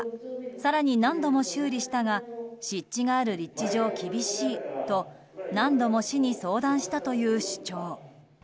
更に、何度も修理したが湿地がある立地上厳しいと何度も市に相談したという主張。